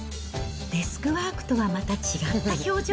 デスクワークとはまた違った表情。